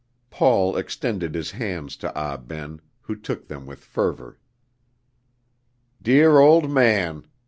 Paul extended his hands to Ah Ben, who took them with fervor. "Dear old man!"